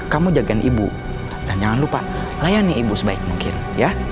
kamu jagain ibu dan jangan lupa layani ibu sebaik mungkin ya